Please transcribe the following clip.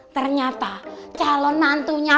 ternyata calon nantunya